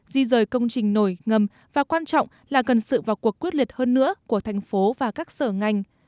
di rời công trình nổi ngầm và quan trọng là cần sự vào cuộc quyết liệt hơn nữa của thành phố và các sở ngành